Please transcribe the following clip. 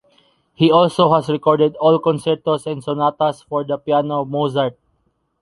He also has recorded all concertos and sonatas for the piano of Mozart.